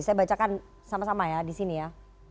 saya bacakan sama sama ya disini ya